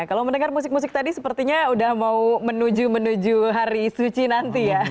kalau mendengar musik musik tadi sepertinya udah mau menuju menuju hari suci nanti ya